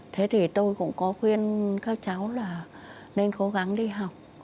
thế thì tôi cũng có khuyên các cháu là nên cố gắng đi học